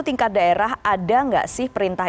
tingkat daerah ada nggak sih perintah